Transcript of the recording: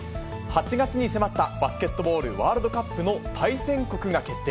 ８月に迫ったバスケットボールワールドカップの対戦国が決定。